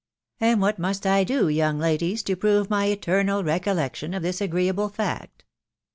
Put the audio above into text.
" And what must I do, young ladies, to prove my eternal recollection of this agreeable fact